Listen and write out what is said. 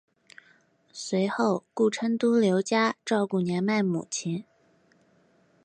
随后顾琛都留家照顾年迈母亲。